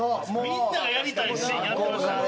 みんながやりたいシーンやってましたよ。